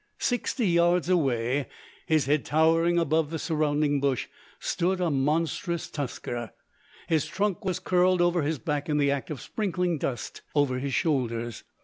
Sixty yards away, his head towering above the surrounding bush, stood a monstrous tusker. His trunk was curled over his back in the act of sprinkling dust over his shoulders.